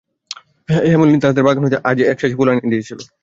হেমনলিনী তাহাদের বাগান হইতে আজ এক সাজি ফুল আনিয়া দিয়াছিল।